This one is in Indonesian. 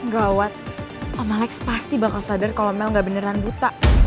gawat om alex pasti bakal sadar kalo mel ga beneran buta